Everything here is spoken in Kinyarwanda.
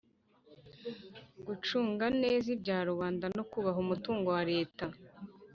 gucunga neza ibya rubanda no kubaha umutungo wa reta